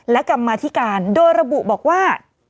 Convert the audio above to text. และกลับมาที่การโดยระบุบอกว่า